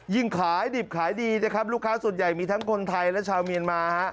ขายดิบขายดีนะครับลูกค้าส่วนใหญ่มีทั้งคนไทยและชาวเมียนมาฮะ